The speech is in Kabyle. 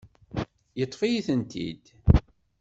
Yeṭṭef-iyi-tent-id.